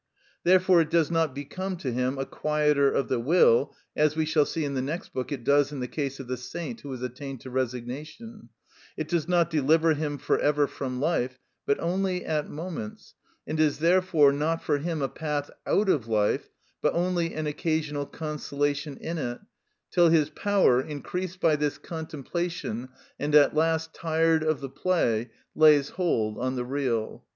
Therefore it does not become to him a quieter of the will, as, we shall see in the next book, it does in the case of the saint who has attained to resignation; it does not deliver him for ever from life, but only at moments, and is therefore not for him a path out of life, but only an occasional consolation in it, till his power, increased by this contemplation and at last tired of the play, lays hold on the real.